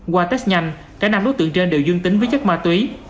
qua test nhanh cả năm đối tượng trên đều dương tính với chất ma túy